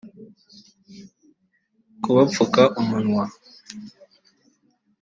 kabapfuka umunwa